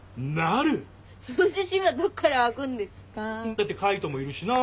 だって海斗もいるしなぁ。